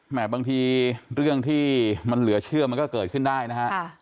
บางทีเรื่องที่มันเหลือเชื่อมันก็เกิดขึ้นได้นะฮะ